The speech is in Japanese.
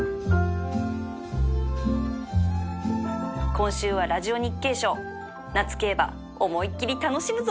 今週はラジオ ＮＩＫＫＥＩ 賞夏競馬思いっきり楽しむぞ！